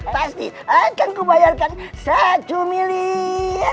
pasti akan kubayarkan satu miliar